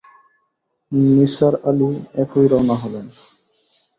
নিসার আলি একই রওনা হলেন।